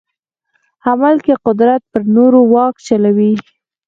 عمل کې قدرت پر نورو واک چلوي.